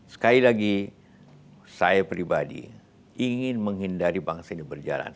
sekali lagi saya pribadi ingin menghindari bangsa ini berjalan